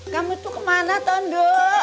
kamu tuh kemana tondok